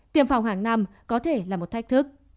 tiêm phòng hàng năm có thể là một thách thức